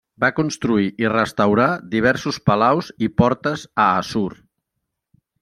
Va construir i restaurar diversos palaus i portes a Assur.